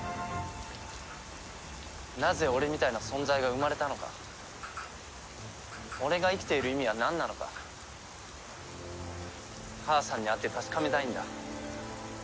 なぜ俺みたいな存在が生まれたのか俺が生きている意味はなんなのか母さんに会って確かめたいんだ。